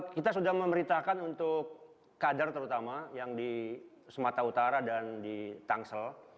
kita sudah memerintahkan untuk kader terutama yang di sumatera utara dan di tangsel